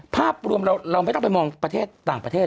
ภาพรวมเราไม่ต้องไปมองประเทศต่างประเทศ